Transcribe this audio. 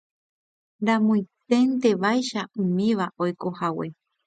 ramoiténtevaicha umíva oikohague